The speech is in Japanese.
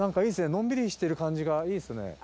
のんびりしてる感じがいいですね。